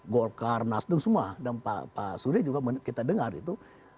golkar nasdem semua dan pak surya juga kita dengar itu